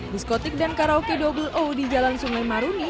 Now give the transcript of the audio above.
diskotik dan karaoke double o di jalan sungai maruni